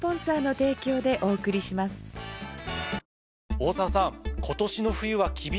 大沢さん。